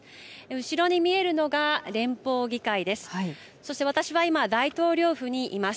後ろに見えるのが連邦議会です。